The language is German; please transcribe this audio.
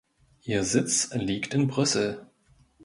Ihr Sitz liegt in Brüssel.